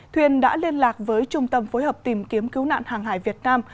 thuyền đã liên lạc với trung tâm phối hợp tìm kiếm cứu nạn hàng hải việt nam